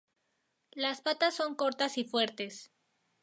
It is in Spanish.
Las patas son cortas y fuertes.